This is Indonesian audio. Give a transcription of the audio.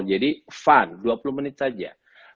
jadi fun dua puluh menit saja